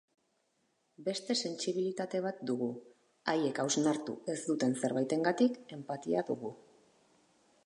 Beste sentsibilitate bat dugu, haiek hausnartu ez duten zerbaitengatik enpatia dugu.